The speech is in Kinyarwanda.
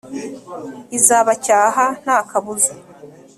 Izabacyaha nta kabuza